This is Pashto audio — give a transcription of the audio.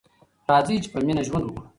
راځئ چې په مینه ژوند وکړو.